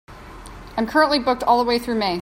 I'm currently booked all the way through May.